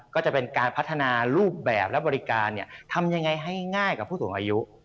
ก็จะเป็นการพัฒนารูปแบบและบริการทำยังไงให้ง่ายกับผู้สูงอายุ